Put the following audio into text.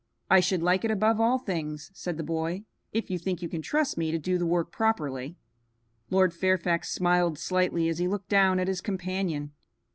"I should like it above all things," said the boy, "if you think you can trust me to do the work properly." Lord Fairfax smiled slightly as he looked down at his companion.